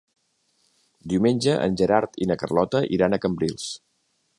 Diumenge en Gerard i na Carlota iran a Cambrils.